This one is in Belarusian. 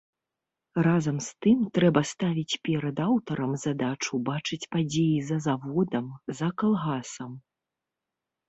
Разам з тым, трэба ставіць перад аўтарам задачу бачыць падзеі за заводам, за калгасам.